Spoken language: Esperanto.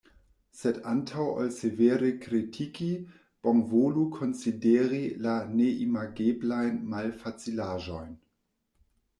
Sed antaŭ ol severe kritiki, bonvolu konsideri la neimageblajn malfacilaĵojn.